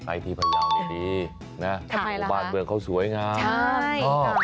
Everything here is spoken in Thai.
ไอ้พี่พะยาวนี้ดีนะผมมองบ้านเบือนเขาสวยงานใช่ค่ะ